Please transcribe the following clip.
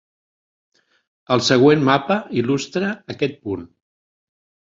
El següent mapa il·lustra aquest punt.